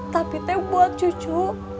tapi teh buat cucu